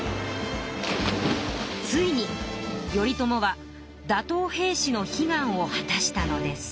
ついに頼朝は打とう平氏の悲願を果たしたのです。